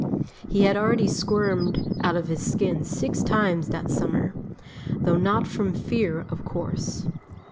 He had already squirmed out of his skin six times that summer though not from fear, of course.